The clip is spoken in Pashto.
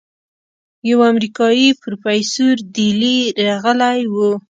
يو امريکايي پروفيسور دېلې رغلى و.